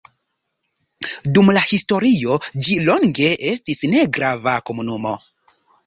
Dum la historio ĝi longe estis negrava komunumo.